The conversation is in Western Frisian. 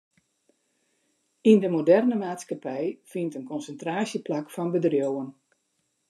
Yn de moderne maatskippij fynt in konsintraasje plak fan bedriuwen.